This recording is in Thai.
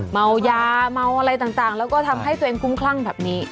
เมายาเมาอะไรต่างแล้วก็ทำให้ตัวเองคุ้มคลั่งแบบนี้